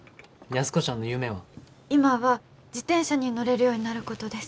今は自転車に乗れるようになることです。